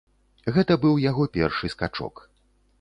Гэта быў яго першы скачок.